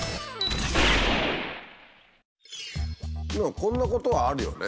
こんなことはあるよね